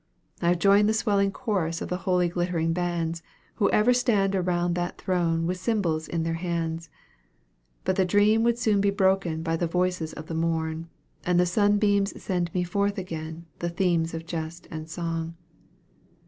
I have joined the swelling chorus of the holy glittering bands Who ever stand around that throne, with cymbals in their hands: But the dream would soon be broken by the voices of the morn, And the sunbeams send me forth again, the theme of jest and song.